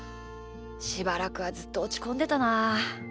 しばらくはずっとおちこんでたな。